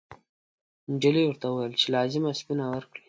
نجلۍ ورته وویل چې لازمه سپینه ورکړي.